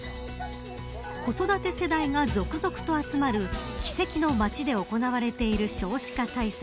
子育て世代が続々と集まる奇跡の町で行われている少子化対策